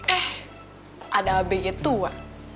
eh ada abeget tua